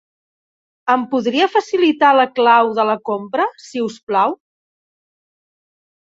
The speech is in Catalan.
Em podria facilitar la clau de la compra, si us plau?